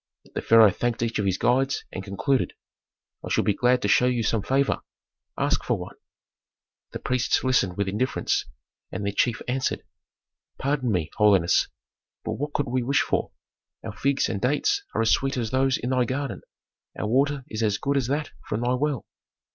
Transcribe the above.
The pharaoh thanked each of his guides, and concluded, "I should be glad to show you some favor; ask for one." The priests listened with indifference, and their chief answered, "Pardon me, holiness, but what could we wish for? Our figs and dates are as sweet as those in thy garden, our water is as good as that from thy well.